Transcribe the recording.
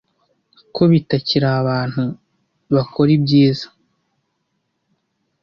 ko bitakiri abantu bakora ibyiza